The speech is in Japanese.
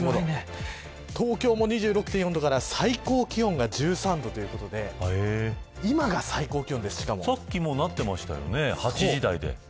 東京も２６．４度から最高気温が１３度ということで今が最高気温です、しかもさっき、もうなっていましての８時台で。